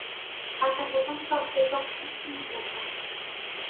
خزندگان گاه به گاه پوست میاندازند.